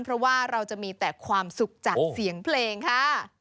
เพราะว่าเราจะมีแต่ความสุขจากเสียงเพลงค่ะ